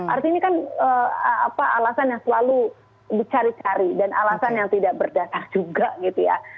artinya kan alasan yang selalu dicari cari dan alasan yang tidak berdata juga gitu ya